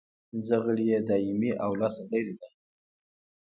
پنځه غړي یې دایمي او لس غیر دایمي دي.